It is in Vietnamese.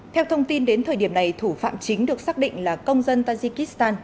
theo thông tin đến thời điểm này thủ phạm chính được xác định là công dân tajikistan